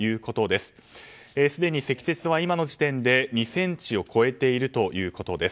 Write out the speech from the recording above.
すでに積雪は今の時点で２ｃｍを超えているということです。